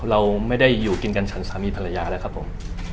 เราไม่ได้อยู่กินกันฉันสามีภรรยาแล้วครับผม